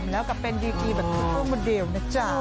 แล้วก็เป็นดีแบบทุกดูงโมเดลนะจ๊ะ